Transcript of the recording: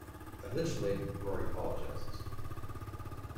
Eventually Rory apologizes.